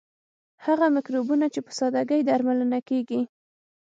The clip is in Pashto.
هغه مکروبونه چې په ساده ګۍ درملنه کیږي.